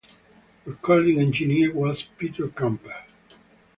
Recording engineer was Peter Kramper.